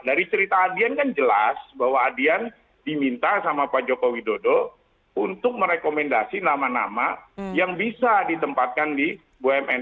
dari cerita adian kan jelas bahwa adian diminta sama pak joko widodo untuk merekomendasi nama nama yang bisa ditempatkan di bumn